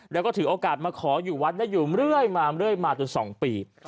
แล้วก็ถือโอกาสมาขออยู่วัดและอยู่เรื่อยมาเรื่อยมาจน๒ปี